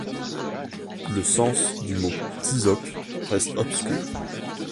Le sens du mot Tizoc reste obscur.